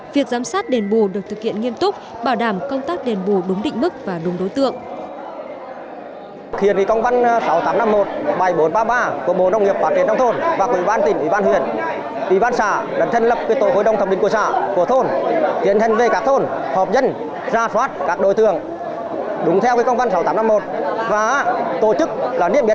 việc giám sát đền bù được thực hiện nghiêm túc bảo đảm công tác đền bù đúng định mức và đúng đối tượng